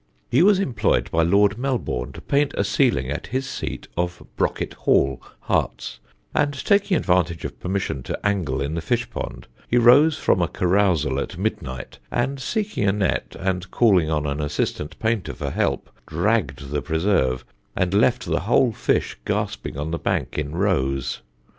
He was employed by Lord Melbourne to paint a ceiling at his seat of Brocket Hall, Herts; and taking advantage of permission to angle in the fish pond, he rose from a carousal at midnight, and seeking a net, and calling on an assistant painter for help, dragged the preserve, and left the whole fish gasping on the bank in rows.